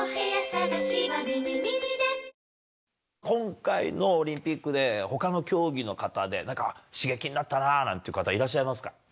今回のオリンピックで、ほかの競技の方で、なんか刺激になったなっていう方、いらっしゃいますか。